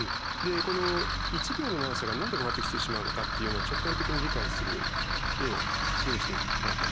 この１秒の長さが何で変わってきてしまうのかっていうのを直感的に理解する絵を用意してもらったんですけれども。